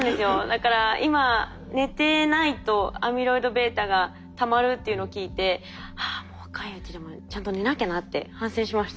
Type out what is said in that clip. だから今寝てないとアミロイドβがたまるっていうのを聞いてああもう若いうちでもちゃんと寝なきゃなって反省しました。